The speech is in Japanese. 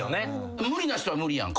無理な人は無理やんか。